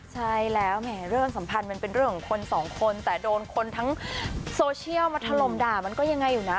ใช่แล้วแหมเรื่องสัมพันธ์มันเป็นเรื่องของคนสองคนแต่โดนคนทั้งโซเชียลมาถล่มด่ามันก็ยังไงอยู่นะ